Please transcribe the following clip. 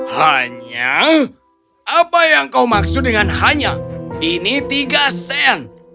hanya apa yang kau maksud dengan hanya ini tiga sen